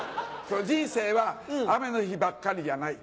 人生は雨の日ばっかりじゃない。